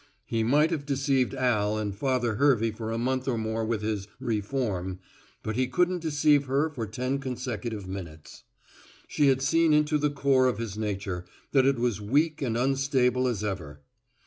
He might have deceived Al and Father Hervey for a month or more with his "reform," but he couldn't deceive her for ten consecutive minutes. She had seen into the core of his nature, that it was weak and unstable as ever.